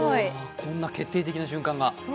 こんな決定的な瞬間が。